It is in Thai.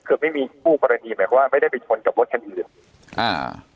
คือไม่มีผู้ปรณีหมายความว่าไม่ได้ไปชนกับรถทางอื่นอ่า